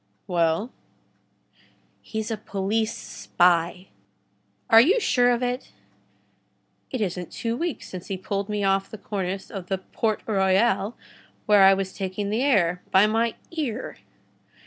"Well?" "He's a police spy." "Are you sure of it?" "It isn't two weeks since he pulled me off the cornice of the Port Royal, where I was taking the air, by my ear."